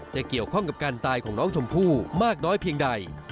เกี่ยวข้องกับการตายของน้องชมพู่มากน้อยเพียงใด